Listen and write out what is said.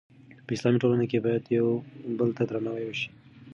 په اسلامي ټولنه کې باید یو بل ته درناوی وشي.